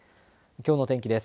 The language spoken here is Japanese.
きょうの天気です。